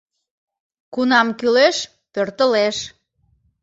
Кунам кӱлеш, пӧртылеш.